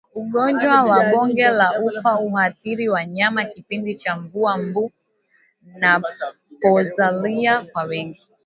Ugonjwa wa bonde la ufa huathiri wanyama kipindi cha mvua mbu wanapozalia kwa wingi